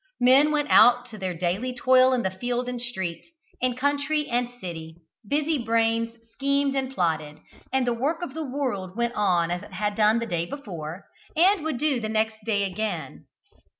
Men went out to their daily toil in field and street, in country and city, busy brains schemed and plotted, and the work of the world went on as it had done the day before, and would do the next day again.